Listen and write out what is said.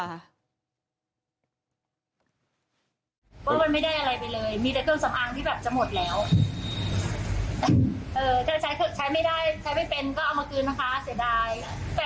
ว่ามันไม่ได้อะไรไปเลยมีแต่เครื่องสำอางที่แบบจะหมดแล้ว